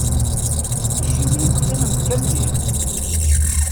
Acimi i teqqimemt kan din?